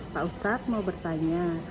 pak ustadz mau bertanya